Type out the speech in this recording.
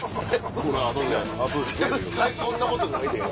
絶対そんなことないで。